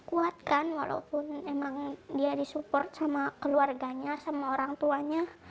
kuat kan walaupun emang dia disupport sama keluarganya sama orang tuanya